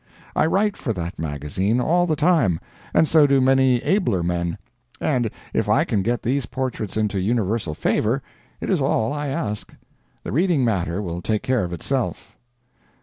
I write for that magazine all the time, and so do many abler men, and if I can get these portraits into universal favor, it is all I ask; the reading matter will take care of itself.